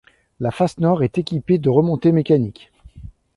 La face Nord est équipée de remontées mécaniques.